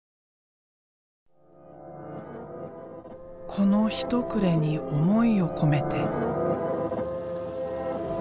この一塊に想いを込めて。